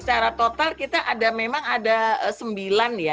secara total kita ada memang ada sembilan ya